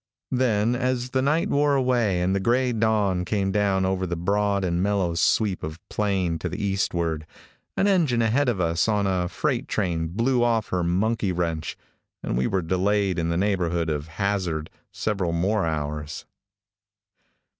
Then, as the night wore away and the gray dawn came down over the broad and mellow sweep of plain to the eastward, an engine ahead of us on a freight train blew off her monkey wrench, and we were delayed in the neighborhood of Hazzard several more hours.